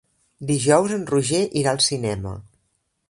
Dijous en Roger irà al cinema.